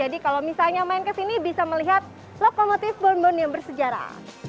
di sini bisa melihat lokomotif bonbon yang bersejarah